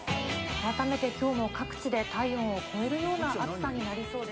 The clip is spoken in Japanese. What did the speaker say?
改めてきょうも各地で体温を超えるような暑さになりそうです。